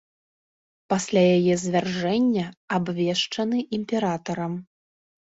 Пасля яе звяржэння абвешчаны імператарам.